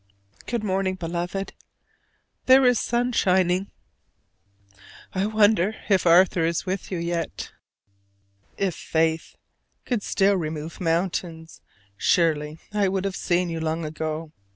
Good morning, Beloved; there is sun shining. I wonder if Arthur is with you yet? If faith could still remove mountains, surely I should have seen you long ago.